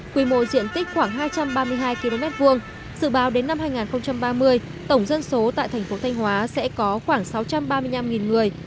quy mô diện tích khoảng hai trăm ba mươi hai km hai dự báo đến năm hai nghìn ba mươi tổng dân số tại thành phố thanh hóa sẽ có khoảng sáu trăm ba mươi năm người